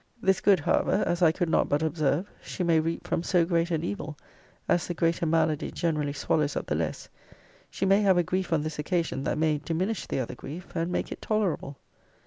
'This good, however, as I could not but observe, she may reap from so great an evil as the greater malady generally swallows up the less, she may have a grief on this occasion, that may diminish the other grief, and make it tolerable.'